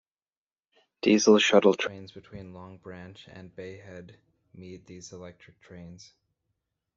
Diesel shuttle trains between Long Branch and Bay Head meet these electric trains.